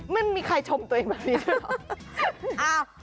มันมีใครชมตัวเองแบบนี้ด้วยเหรอ